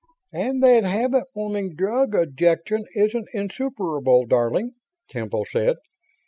"And that 'habit forming drug' objection isn't insuperable, darling," Temple said.